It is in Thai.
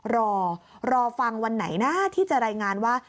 รอรอฟังวันไหนนะที่จะรายงานว่า